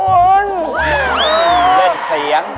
เล่นเสียง